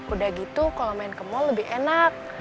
udah gitu kalau main ke mal lebih enak